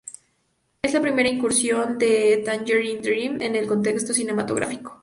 Es la primera incursión de Tangerine Dream en el contexto cinematográfico.